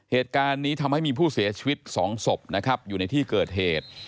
เหตุการณ์นี้ทำให้มีผู้เสียชีวิต๒ศพนะครับอยู่ในที่เกิดเหตุ